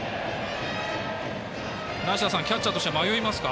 梨田さん、キャッチャーとしては迷いますか？